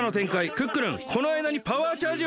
クックルンこのあいだにパワーチャージを！